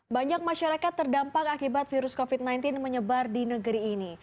banyak masyarakat terdampak akibat virus covid sembilan belas menyebar di negeri ini